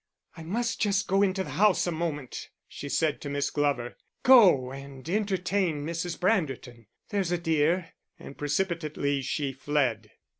"I must just go into the house a moment," she said to Miss Glover. "Go and entertain Mrs. Branderton, there's a dear." And precipitately she fled.